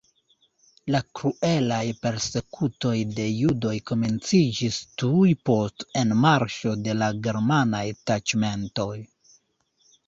La kruelaj persekutoj de judoj komenciĝis tuj post enmarŝo de la germanaj taĉmentoj.